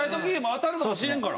当たるかもしれんから。